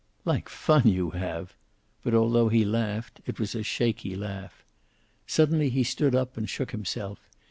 "Like fun you have!" But although he laughed, it was a shaky laugh. Suddenly he stood up and shook himself.